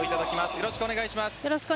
よろしくお願いします。